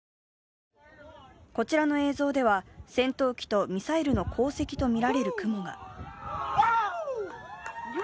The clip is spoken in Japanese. こちらの映像では、戦闘機とミサイルの航跡とみられる雲が。